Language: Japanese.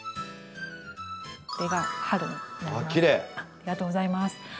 ありがとうございます。